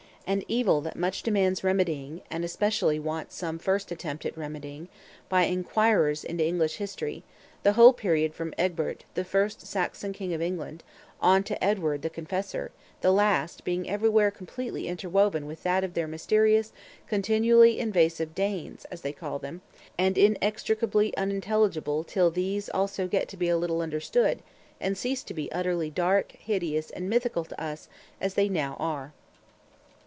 An evil that much demands remedying, and especially wants some first attempt at remedying, by inquirers into English History; the whole period from Egbert, the first Saxon King of England, on to Edward the Confessor, the last, being everywhere completely interwoven with that of their mysterious, continually invasive "Danes," as they call them, and inextricably unintelligible till these also get to be a little understood, and cease to be utterly dark, hideous, and mythical to us as they now are.